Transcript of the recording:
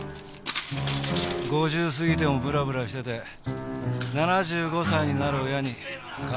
５０過ぎてもブラブラしてて７５歳になる親に金をせびってたそうだ。